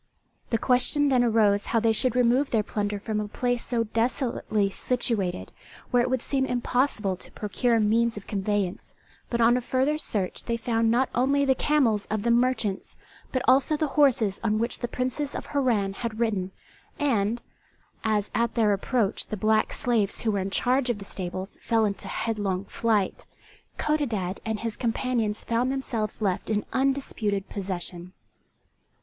The question then arose how they should remove their plunder from a place so desolately situated, where it would seem impossible to procure means of conveyance; but on a further search they found not only the camels of the merchants, but also the horses on which the Princes of Harran had ridden; and as, at their approach the black slaves who were in charge of the stables fell into headlong flight, Codadad and his companions found themselves left in undisputed possession.